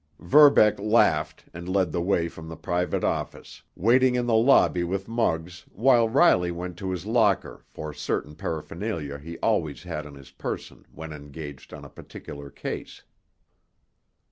Verbeck laughed and led the way from the private office, waiting in the lobby with Muggs while Riley went to his locker for certain paraphernalia he always had on his person when engaged on a particular case.